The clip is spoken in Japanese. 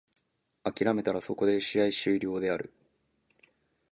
諦めたらそこで試合終了である。